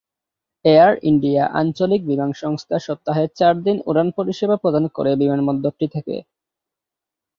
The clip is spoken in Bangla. এয়ার ইন্ডিয়া আঞ্চলিক বিমান সংস্থা সপ্তাহে চার দিন উড়ান পরিষেবা প্রদান করে বিমানবন্দরটি থেকে।